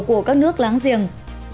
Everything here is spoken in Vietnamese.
của các nước láng giềng